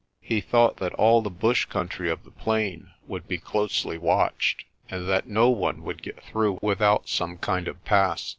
He thought that all the bush country of the plain would be closely watched, and that no one would get through without some kind of pass.